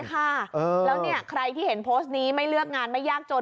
ค่ะแล้วเนี่ยใครที่เห็นโพสต์นี้ไม่เลือกงานไม่ยากจน